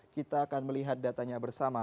kita akan melihat datanya bersama